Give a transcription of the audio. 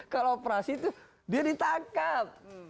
kalau operasi itu dia ditangkap